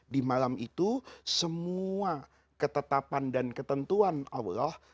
di malam itu semua ketetapan dan ketentuan allah